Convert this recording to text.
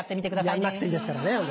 やんなくていいですからね。